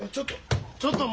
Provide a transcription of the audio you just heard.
ちょっと。